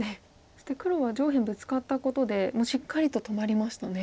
そして黒は上辺ブツカったことでしっかりと止まりましたね。